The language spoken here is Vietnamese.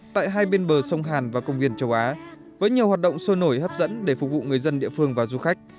tại hai bên bờ sông hàn và công viên châu á với nhiều hoạt động sôi nổi hấp dẫn để phục vụ người dân địa phương và du khách